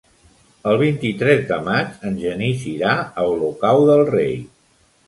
El vint-i-tres de maig en Genís irà a Olocau del Rei.